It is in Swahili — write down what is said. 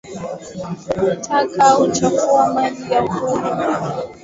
Taka huchafua maji ya kunywa na kutishia maisha ya watoto wachanga